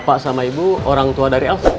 bapak sama ibu orang tua dari elf